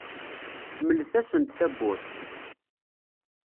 Mlet-asent tawwurt.